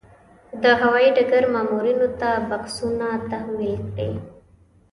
د هوايي ډګر مامورینو ته بکسونه تحویل کړي.